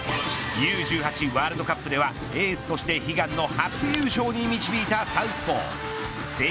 Ｕ−１８ワールドカップではエースとして、悲願の初優勝に導いたサウスポー。